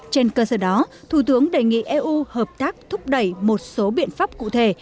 trên cơ sở đó thủ tướng đề nghị eu hợp tác thúc đẩy một số biện pháp cụ thể